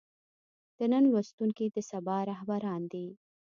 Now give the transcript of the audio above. د نن لوستونکي د سبا رهبران دي.